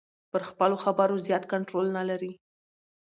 پر خپلو خبرو زیات کنټرول نلري.